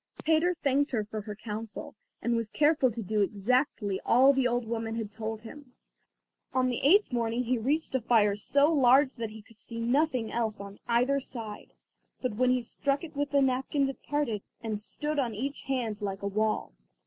Peter thanked her for her counsel, and was careful to do exactly all the old woman had told him. On the eighth morning he reached a fire so large that he could see nothing else on either side, but when he struck it with the napkins it parted, and stood on each hand like a wall.